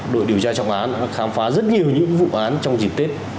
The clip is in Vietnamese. đội điều tra trọng án khám phá rất nhiều những vụ án trong dịp tết